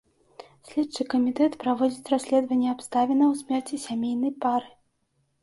Следчы камітэт праводзіць расследаванне абставінаў смерці сямейнай пары.